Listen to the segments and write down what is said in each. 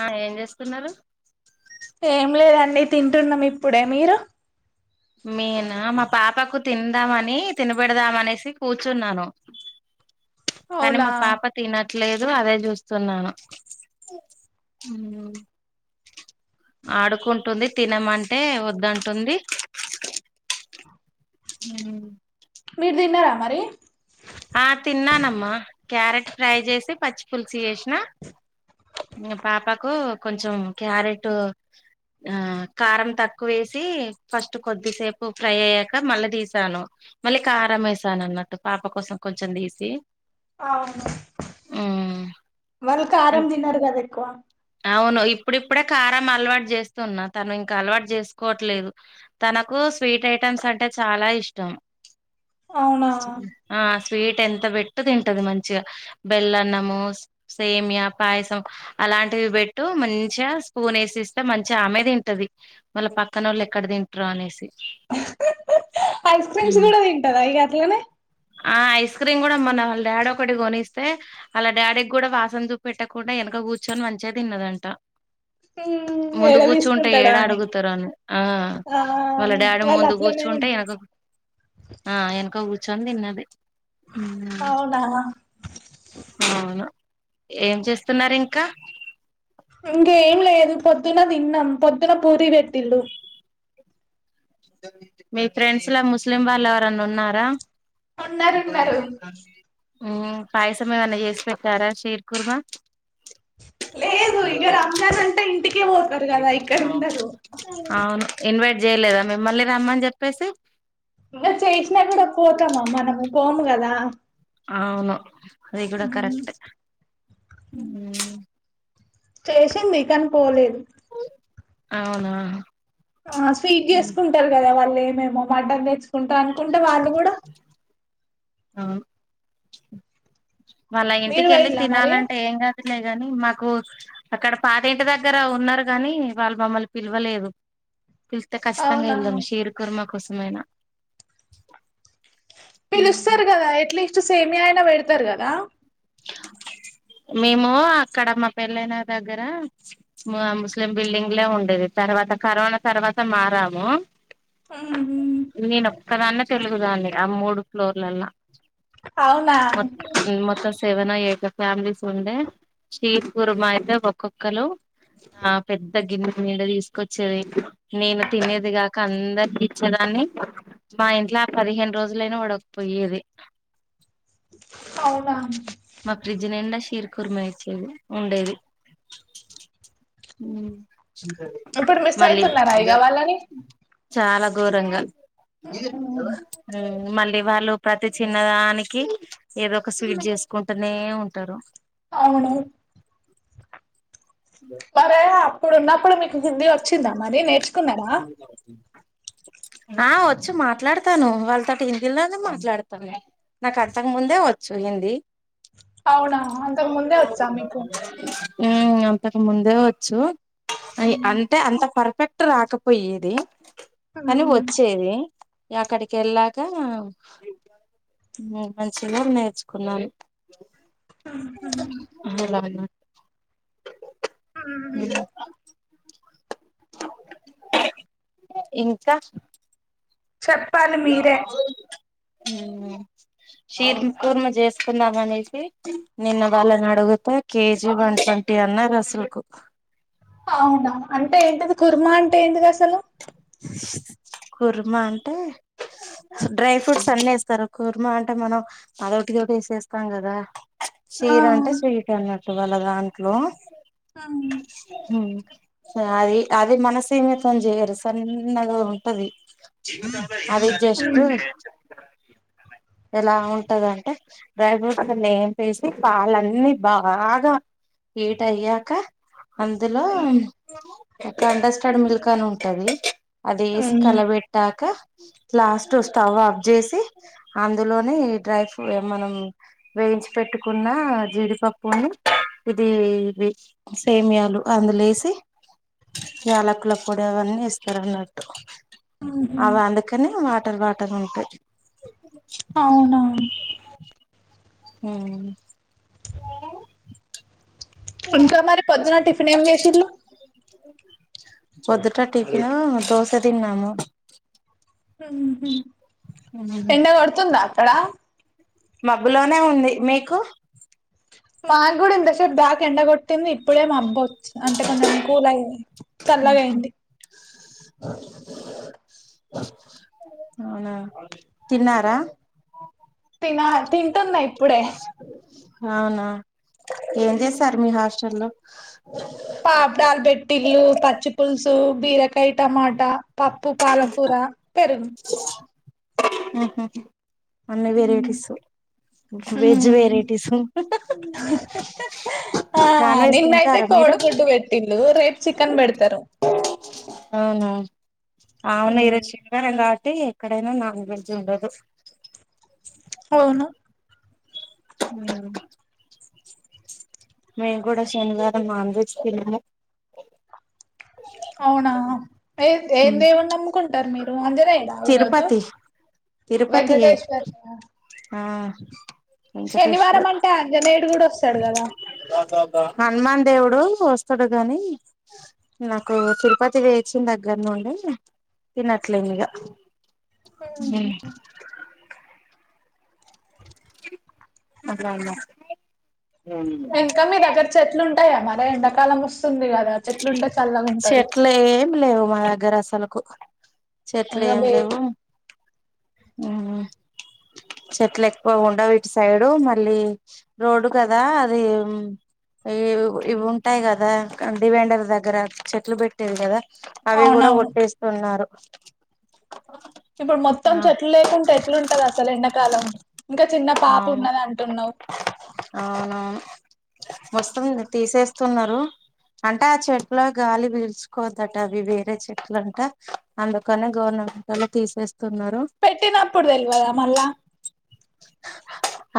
ఆ ఏం చేస్. తున్నరు. ఏం లేదండి తింటున్నాం ఇప్పుడే, మీరు? మేనా మా పాపకు తిందామని, తినబెడదాం అనేసి కూర్చున్నాను. కానీ అవునా మా పాప తన లేదు అదే చూస్తున్నాను. ఆడుకుంటుంది తినమంటే వద్దంటుంది. ఉహు మీరు తిన్నారా మరి? ఆ తిన్నానమ్మ, క్యారెట్ ఫ్రై చేసి పచ్చి పుల్సు చేస్ న ఇంగ పాపకు కొంచెం క్యారెట్, ఆ కారం తక్కువ వేసి ఫస్ట్ కొద్దిసేపు ఫ్రై అయ్యాక మళ్ళీ తీసాను, మళ్ళీ కారం వేసాను అన్నట్టు పాప కోసం. కొంచెం తీసి అవును, మ్ వాళ్లు కారం తినరు కదా ఎక్కువ. అవును ఇప్పుడిప్పుడే కారం అలవాటు చేస్తున్నా తను ఇంకా అలవాటు చేసుకోవట్లేదు, తనకు స్వీట్ ఐటమ్స్ అంటే చాలా ఇష్టం. అవునా ఆ స్వీట్ ఎంత పెట్టు తింటది మంచిగా. బెల్లన్నము, సేమియ పాయసం అలాంటివి పెట్టు మంచిగా స్పూన్ వేసి ఇస్తే మంచిగా ఆమె తింటది, మళ్ళ పక్కనోళ్ళు ఎక్కడ తింటరో అనేసి. ఐస్ క్రీమ్స్ హ్మ్. కూడా తింటదా ఇగ. ఈమె ఆ ఐస్ క్రీమ్ కూడా మొన్న వాళ్ళ డాడీ ఒకటి కొనిస్తే, వాళ్ళ డాడీకి కూడా వాసన చూపెట్టకుండా వెనక కూర్చొని మంచిగా తిన్నదంట. మ్మ్, ముందు ఏడ కూర్చుంటే తీసుకుంటాడా ఏడా అని అడుగుతరో అని, ఆ ఆ వాళ్ళ డాడీ వాళ్ళు ముందు అట్లనే కూర్చుంటే ఉంటారు వెనక ఆ వెనక కూర్ చందిన్నది అవునా అవును ఏం చేస్తున్నారు ఇంకా ఇంకేం లేదు పొద్దున్న తిన్నాం. పొద్దున్న పూరి వెట్టిల్లు. మీ ఫ్రెండ్స్ లా ముస్లిం వాళ్ళు ఎవరన్నా ఉన్నారా? ఉన్నారు ఉన్నారు ఉమ్ పాయసం ఏమన్నా చేసి పెట్టారా? షేర్ కుర్మా లేదు ఇగ రంజాన్ అంటె ఇ అవును ఇన్వైట్ జేయలేదా మిమ్మల్ని రమ్మని చెప్పేసి. ఇంగ చేసినా కూడా పోతామా మనము, పోము కదా. అవును అది కూడా కరెక్టే. చేసింది కాని పోలేదు అవునా ఆ స్వీట్ చేసుకుంటారు కదా వాళ్ళు మేము మటన్ తెచ్ కుంటా అనుకుంటే వాళ్ళు కూడా ఆ వాళ్ల మీరు ఇంటికెళ్ళి పోయిల్లా మరి తినాలంటే ఏంగా న్నా గాని మాకు అక్కడ పాత ఇంటి దగ్గర ఉన్నారు కాగాని వాళ్ళు మమ్మల్ని పిలవలేదు పిలిస్తే కచ్చితంగా అవునా వెళ్దును షేర్ కుర్మ కోసమైన పీలుస్తారు కదా ఎట్లీస్ట్ సేమియా అయినా పెడతారు కదా మేము అక్కడ మా పెళ్ళైన దగ్గర ముస్లిం బిల్డింగ్లే ఉండేది తర్వాత కరోనా తర్వాత మారాము ఆహా నేను ఒక్కదాన్నే తెలుగుదాన్ని ఆ మూడు ఫ్లోర్లల్ల అవునా మక్ మొక్కజొ సెవెన్ ఎయిట్ ఫ్యామిలీస్ ఉండే శ్రీ కుర్మా అయితే ఒక్కొక్కలు ఆ పెద్ద గిన్నె నిండా తీసుకొచ్చేది నేను తినేది కాక అందరి ఇచ్చేదాన్ని మా ఇంట్లో ఆ పదిహేను రోజులైనా ఉడకపోయేది అవునా మా ఫ్రిడ్జ్ నిండా షేర్ కుర్మా ఇచ్చేది ఉండేది ఇప్పుడు మిస్ మళ్ళీ అయితున్నారా ఇగ వాళ్ళని చాలా ఘోరంగా ఆ మళ్ళీ వాళ్ళు ప్రతి చిన్నదానికి ఏదో ఒక స్వీట్ చేసు కుంటూనే ఉంటారు అవును వారే అప్ ఇప్పుడు ఉన్నప్పుడు మీకు బుద్ధి వత్ వచ్చిందా మరి నేర్చుకున్నారా నా వచ్చు మాట్లాడతాను వాళ్ళతోటి హిందీలోనే మాట్లాడుతాను నాకు అంతకు ముందే వచ్చు హిందీ అవునా అంతకు ముందే వచ్చా మీకు ఆ అంతకు ముందే వచ్చు ఐ ఉమ్, అంటే అంత పర్ఫెక్ట్ రాకపోయేది కానీ ఉమ్, వచ్చేది అక్కడికి ఎళ్ళాక మ్ మంచిగా నేర్చుకున్నాను ఉమ్, అలా ఉమ్. హుమ్ ఇంక చెప్పాలి మీరే హుమ్ క్షీర్ కూర్మ చేసుకుందాం అనింటే నిన్న వాళ్ళని అడుగుతే కేజీ వన్ ట్వంటీ అన్నారు అసలుకు అవునా అంటే ఏంటది కుర్మ అంటే ఏంటిది అసలు కుర్మా అంటే డ్రై ఫ్రూట్స్ అన్ని ఏస్తారు కుర్మ అంటే మనం అదొటిఇదోటి ఏసేస్తాం గదా ఆ క్షీరా అంటే స్వీట్ అన్నట్ వల దాంట్లో ఉమ్ హుమ్ అది అది మనసియతోన్ చేయరు సన్నగా ఉంటది అది జస్ట్ ఉమ్ ఎలా ఉంటంది అంటే డ్రై ఫ్రూట్స్ నేంపేసి పాాలన్ని బాగా హీట్ అయ్యాక అందులో టండస్టాడ్ మిల్క్ అని ఉంటుది అది వేసి కలబెట్టాక లాస్ట్ స్టవ్ ఆఫ్ చేసి అందులోనే డ్రై ఫ్ర మనం వేయించి పెట్టుకున్న జీడిపప్పుని ఇది ఏది సేమియాలు అందులో ఏసి యాలకుల పొడి అవన్నీ ఏస్ తరనట్టు ఉహు అద అందుకనే మా వాటర్ వాటర్ ఉంటయ్ అవునా హుమ్ ఇంకా మరి పొద్దున టిఫిన్ ఏం చేసిల్లు పొద్దుట టిఫిను దోస తిన్నాము హుమ్ హు ఎండ పడుతుందా యాడ మబ్బులానే ఉంది మీకు మా గుడ ఇంతసేపు బాగ్ ఎండకొట్టింది ది ఇప్పుడే మబ్బో అంటే కొంచం కూల్ అయ్యింది చల్లగయ్యింది అవునా తిన్నారా తిన తింటున్నా ఇప్పుడే అవునా ఏం చేసారు మీ హాస్టల్లో అ పాపడాలబెట్టిల్లు పచ్చి పులుసు బీరకాయ టమాటా పప్పు పాలకూర పెరుగు మ్ హుమ్ అన్ని ఉమ్ వెరైటీసు వెజ్ ఉమ్. వెరైటీసు ఆ నాన్ వెజ్ నిన్నయితే తింటారా మీరు కోడిగుడ్డు పెట్టిళ్ళు రేపు చికెన్ పెడతారు అవునువు అవును ఈ రోజు చికెన్ [unintelligible] అంటే ఎక్కడైనా నాన్ వెజ్ ఉండదు అవును మేము కూడా శనివారం నాన్ వెజ్ తినము అవునా ఏ ఏం దేవుని నమ్ముకుంటారు మీరు ఆంజనేయుడా ఈరోజు తిరుపతి తిరుపతి వెంకటేశ్వరయ్య ఆ శనివారం వెంకటేశ్వర్ అంటే ఆంజనేయుడు కూడా వస్తాడు కదా హనుమాన్ దేవుడు వస్తాడు గాని నాకు తిరుపతి పోయెచ్చిన దగ్గర నుండి తినట్లే ఇక మ్ [inaudible] ఇంకా మీ దగ్గర చెట్లు ఉం టాయ మరి ఎండాకాలం వస్తు స్తుంది కదా చెట్లుంటే చల్ల గుంటది గ్గర అసలుకు చెట్లు ఏం వే లేవు చెట్లు ఎక్కువ ఉండవు ఇటు సైడు మళ్ళీ రోడ్డు కదా అది ఇవి ఉంటాయి కదా డివెండర్ దగ్గర చెట్లు పెట్టీర్రు కదా అవి కూడా అవునవును కొట్టేస్తున్నారు ఇప్పుడు మొత్తం ఆ చెట్లు లేకుంటే ఎట్లుంటది అసలు ఎండాకాలం ఇంకా చిన్న పాప అవును ఉన్నది అంటున్నావు అవునవును సున్నారు అంటే ఆ చెట్ల గాలి పీల్చుకోవద్దట అవి వేరే చెట్లు అంట అందుకని గవర్నమెంట్ వొళ్ళె తీసేస్త పెట్టినప్పుడు తెల్వదా మళ్ళా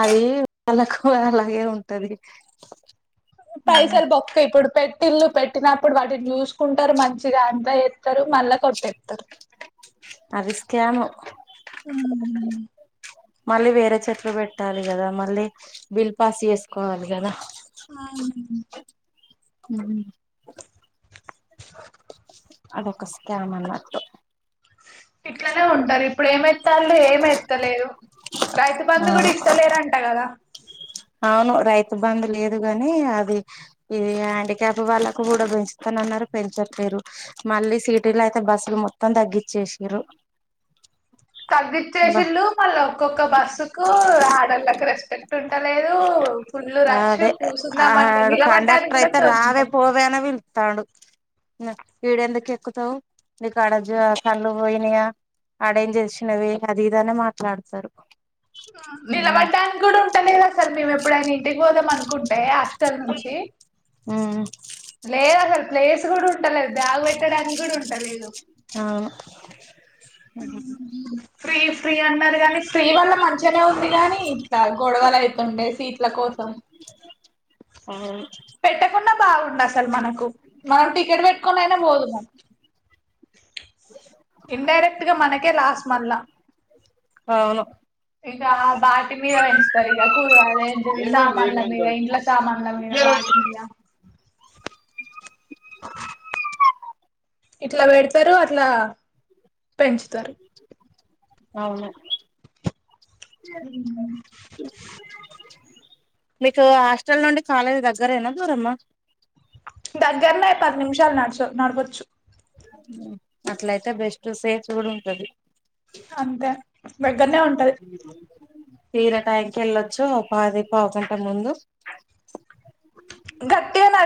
అదీ వాళ్ళకు అలాగే ఉంటది పైసలు బొక్క ఇప్పుడు పె ఇల్లు పెట్టినప్పుడు వాటిని చూసుకుంటారు మంచిగా అంత ఎ ట్టేత్తరు మళ్ళా కొట్టేత్తరు అవి స్కెము ఉమ్ మళ్ళీ వేరే చెట్లు పెట్టాలి కదా, మళ్ళీ బిల్ పాస్ చేసుకోవాలి కదా. ఆ ఉమ్ [unintelligible] అదొక స్కమ్ అన్నటు ఇట్లనే ఉంటారు ఇప్పుడు ఏమాతన్లు ఏం ఎత్తలేరు రైతు బంధు కూడా అవును ఇస్తలేరు అంట కదా. అవును రైతు బంద్ లేదుగాని అది ఇ హ్యాండిీక్యాప్ వాళ్ళకు కూడా పెంచుతాను అన్నారు పెంచట్లేరు. మళ్ళీ సిటీలో అయితే బస్సులు మొత్తం తగ్గిచ్చేసారు. తగ్గచ్చేసీన్లు మళ్ళా ఒక్కొక్క బస్సు కు అదోలకి రెస్పెక్ట్ ఉంట ఆ అదే కూసుందామంటే ఆడ్ నిలబడ్డానికి కండక్టర్ కూడా అయితే చోటు రావే ఉండదు పోవే అనే పిల్తండు ఈీడెందుకు ఎక్కుతావ్ నీకు ఆడ జ కళ్ళు పోయినాయా, ఆడేం చేసినవే అది ఇది అని మాట్లాడతారు. మ్మ్ నిలబడ్డానికి కూడా ఉంటలెడ్ ఆస్ చల్ మేము ఎప్పుడైనా ఇంటికి పోదాం అనుకుంటే హాస్టల్ నుంచి మ్మ్ లెడ్ అసలు ప్లేస్ [unintelligible] ఉంటలే బ్యాగ్ పెట్టడానికి కూడా ఉంటలేదు అవును [unintelligible] [unintelligible] మరి దాని ఫ్రీ వల్ల మంచిగానే ఉంది కానీ, ఇట్లా గొడవలు అయితుండే సీట్ల కోసం అవును పెట్టకుండా బాగుండు అసలు మనకు మనం టికెట్ పెట్టుకునీ అయిన పోదుము ఇండైరెక్ట్ ఇది మనకే లాస్ మల్ల అవును ఇంక వాటి మీద పెంచుతారు ఇక కూర్ టు ఆది ఏంటిది సామాన్ల మీద ఇంట్ల సామాన్ల మీద వాటి మీద ఇట్లా పెడతారు అట్లా పెంచుతారు అవును ఉమ్ మీకు హాస్టల్ నుండి కాలేజీ దగ్గరెనా దూరమ్మా? దగ్గరనే పది నిమిషాలు నడచు నడవచ్చు ఉమ్ అట్లయితే బెస్ట్ సేఫ్ కూడా ఉంటది. అంతే దగ్గరనే ఉంటది తీర టైంకి వెళ్ళొచ్చు పాది పావుగంట ముందు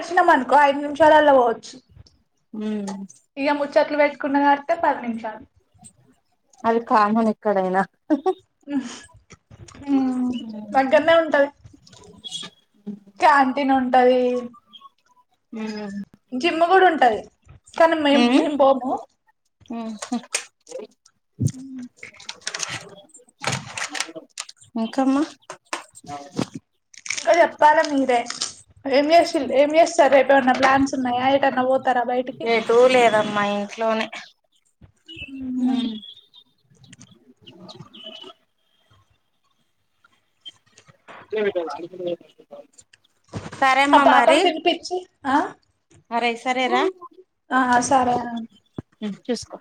వెళ్లినం అనుకో ఐదు నిమిషాలలా పోవచ్చు ఉహ్ చెట్లు పెట్టుకున్న కడితే పది నిమిషాలు అది కామన్ ఎక్కడైనా దగ్గరనే ఉంటది క్యాంటీన్ ఉం ది ఉ జిమ్ కూడా ఉంటది కానీ మేం మేం బోము ఆ చ ఇంకా మా ఇంగా చెప్పాలా మీరే ఏం చేస్తారూ చేస్తారూ రేపేమన్నా ప్లాన్స్ ఉన్నాయా ఏటన్నా పో ఏటు లేదా మా ఇంట్లోనే హ ఏ అ ఆ పాపం తినిపించి ఆ మరి సరేరా ఆ సరే అ చూసుకో